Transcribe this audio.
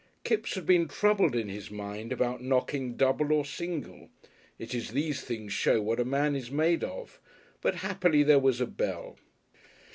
Kipps had been troubled in his mind about knocking double or single it is these things show what a man is made of but happily there was a bell.